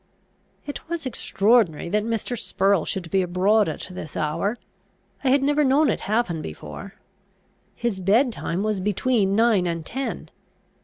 It was extraordinary that Mr. Spurrel should be abroad at this hour; I had never known it happen before. His bed time was between nine and ten.